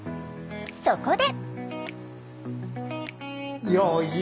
そこで！